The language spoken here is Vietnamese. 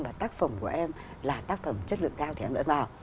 và tác phẩm của em là tác phẩm chất lượng cao thì em đã vào